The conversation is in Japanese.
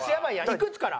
いくつから？